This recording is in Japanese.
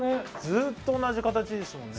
ずっと同じ形ですもんね。